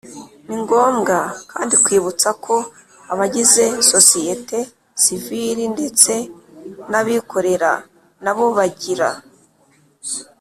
Ni ngombwa kandi kwibutsa ko abagize sosiyete sivili ndetse n abikorera na bo bagira